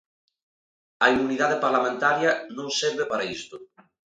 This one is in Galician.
A inmunidade parlamentaria non serve para isto.